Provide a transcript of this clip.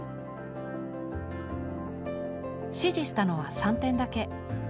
指示したのは３点だけ。